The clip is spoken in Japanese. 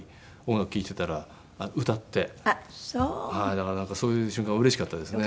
だからなんかそういう瞬間うれしかったですね。